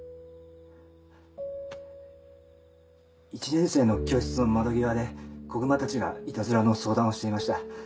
１年生の教室の窓際で子グマたちがイタズラの相談をしていました。